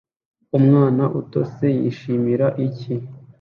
Umwana utose yishimira icyi